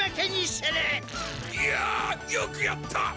いやよくやった！